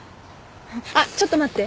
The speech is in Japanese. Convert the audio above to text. あっちょっと待って。